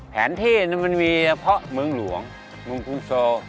แผนที่มันมีเฉพาะเมืองหลวงเมืองกรุงโซ